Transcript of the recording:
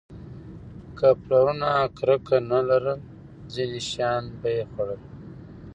که پلرونه کرکه نه لرله، ځینې شیان به یې خوړل.